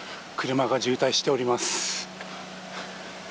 車が渋滞しております。